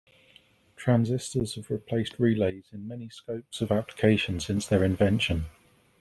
Transistors have replaced relays in many scopes of application since their invention.